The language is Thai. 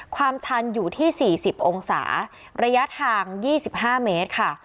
ความชันอยู่ที่สี่สิบองศาระยะทางยี่สิบห้าเมตรค่ะ